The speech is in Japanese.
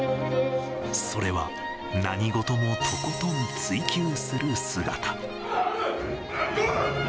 それは、何事もとことん追求する姿。